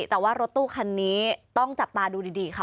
แต่ว่ารถตู้คันนี้ต้องจับตาดูดีค่ะ